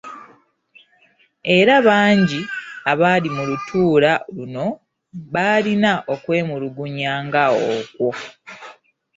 Era bangi abaali mu lutuula luno baalina okwemulugunya nga okwo.